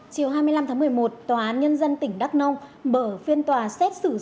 chiều hai mươi năm tháng một mươi một tòa án nhân dân tỉnh đắk nông mở phiên tòa xét xử